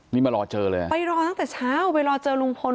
นี่มารอเจอเลยอ่ะไปรอตั้งแต่เช้าไปรอเจอลุงพล